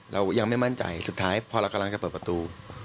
เรายังไม่มั่นใจสุดท้ายพอเรากำลังจะเปิดประตู